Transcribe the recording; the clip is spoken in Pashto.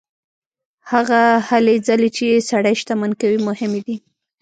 هغه هلې ځلې چې سړی شتمن کوي مهمې دي.